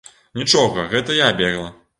Нічога, гэта я бегла.